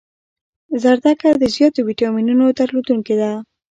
زردکه د زیاتو ویټامینونو درلودنکی ده